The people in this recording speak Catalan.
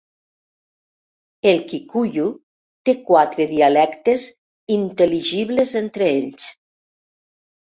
El Kikuyu té quatre dialectes intel·ligibles entre ells.